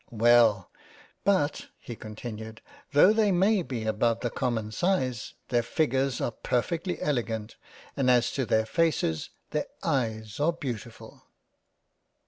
" Well, but (he continued) tho' they may be above the L 65 JANE AUSTEN common size, their figures are perfectly elegant ; and as to their faces, their Eyes are beautifull."